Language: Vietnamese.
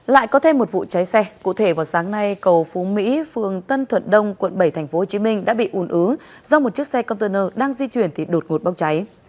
lại có thêm một vụ cháy xe cụ thể vào sáng nay cầu phú mỹ phường tân thuận đông quận bảy tp hcm đã bị ùn ứ do một chiếc xe container đang di chuyển thì đột ngột bốc cháy